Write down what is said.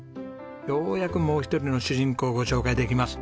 ようやくもう一人の主人公をご紹介できます。